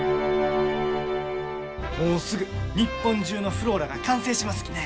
もうすぐ日本中のｆｌｏｒａが完成しますきね。